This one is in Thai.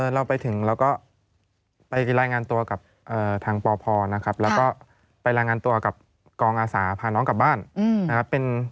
เราไปถึงเราก็ไปรายงานตัวกับทางปพนะครับแล้วก็ไปรายงานตัวกับกองอาสาพาน้องกลับบ้านนะครับ